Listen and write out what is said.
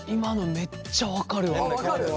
めっちゃ分かる。